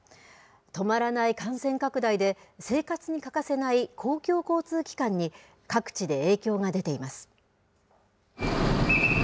止まらない感染拡大で、生活に欠かせない公共交通機関に各地で影響が出ています。